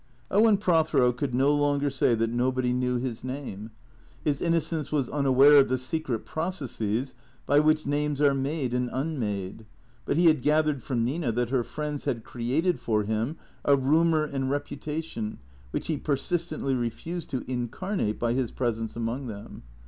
Owen Prothero could no longer say that nobody knew his 192 THECREATOKS 193 name. His innocence was unaware of the secret processes by which names are made and unmade; but he had gathered from Nina that her friends had created for him a rumour and repu tation which he persistently refused to incarnate by his presence among them.